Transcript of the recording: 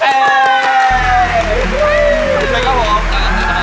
เฮ้ทุกคนค่ะครับผมค่ะทุกคนค่ะ